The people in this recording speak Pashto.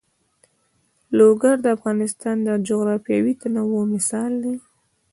لوگر د افغانستان د جغرافیوي تنوع مثال دی.